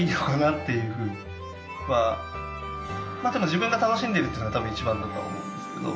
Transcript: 自分が楽しんでいるっていうのが多分一番だとは思うんですけど。